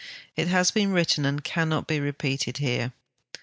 It has been written and cannot be repeated here.